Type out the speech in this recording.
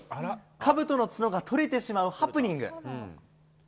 かぶとの角がとれてしまうハプニング。